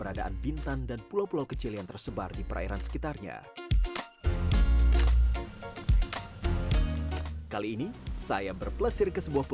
udah finish ceritanya nih